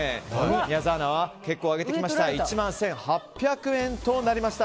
宮澤アナは結構上げてきました１万１８００円となりました。